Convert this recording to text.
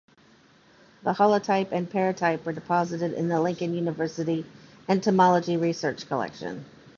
The holotype and paratype were deposited in the Lincoln University Entomology Research Collection.